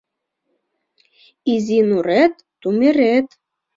Изи нурет — тумерет